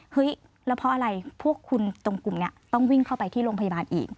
เฮ้ยแล้วเพราะอะไรพวกคุณตรงกลุ่มนี้ต้องวิ่งเข้าไปที่โรงพยาบาลอีก